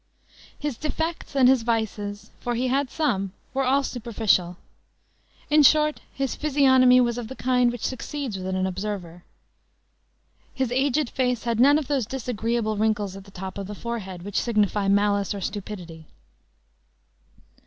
His defects and his vices, for he had some, were all superficial; in short, his physiognomy was of the kind which succeeds with an observer. His aged face had none of those disagreeable wrinkles at the top of the forehead, which signify malice or stupidity.